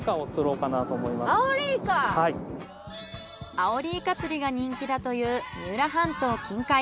アオリイカ釣りが人気だという三浦半島近海。